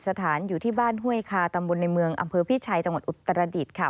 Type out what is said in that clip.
สถานอยู่ที่บ้านห้วยคาตำบลในเมืองอำเภอพี่ชัยจังหวัดอุตรดิษฐ์ค่ะ